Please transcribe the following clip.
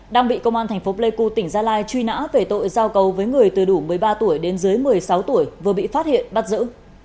đang bị công an thành phố pleiku tỉnh gia lai truy nã về tội giao cầu với người từ đủ một mươi ba tuổi đến dưới một mươi sáu tuổi vừa bị phát hiện bắt giữ